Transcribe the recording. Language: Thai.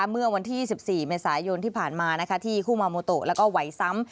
เมื่อวันที่๑๔เมษายนที่ผ่านมาที่คู่มาโมโตแล้วก็ไหวซ้ำ